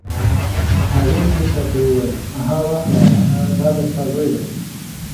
هغې پیر صاحب ته وویل: ها واخله دا دی ستا زوی دی.